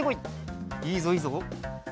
いいぞいいぞ。